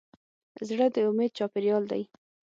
زړه د امید چاپېریال دی.